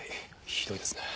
ひどいですね。